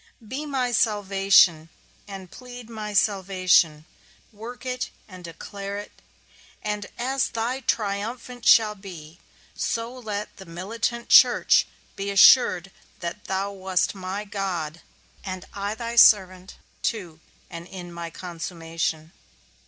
Be my salvation, and plead my salvation; work it and declare it; and as thy triumphant shall be, so let the militant church be assured that thou wast my God, and I thy servant, to and in my consummation.